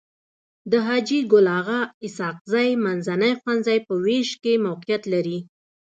د حاجي ګل اغا اسحق زي منځنی ښوونځی په ويش کي موقعيت لري.